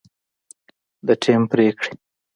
د ټیم پرېکړې